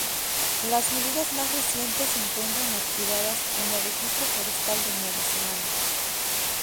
Las medidas más recientes se encuentran archivadas en el registro Forestal de Nueva Zelanda.